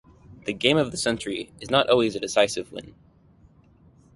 The "Game of the Century" is not always a decisive win.